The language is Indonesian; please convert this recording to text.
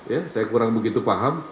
ya saya kurang begitu paham